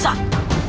sampai dia muncul